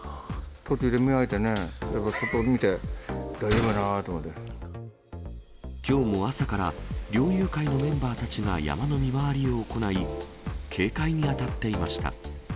途中で目開いてね、きょうも朝から、猟友会のメンバーたちが山の見回りを行い、警戒に当たっていました。